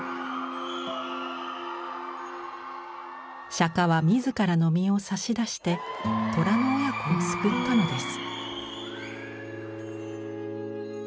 釈は自らの身を差し出て虎の親子を救ったのです。